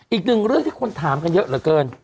อีกหนึ่งเรื่องที่คนถามกันเยอะเหลือเกิน